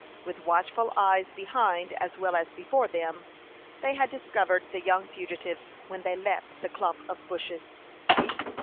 With watchful eyes behind as well as before them, they had discovered the young fugitives when they left the clump of bushes.